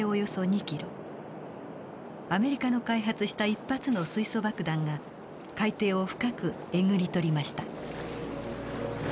アメリカの開発した一発の水素爆弾が海底を深くえぐり取りました。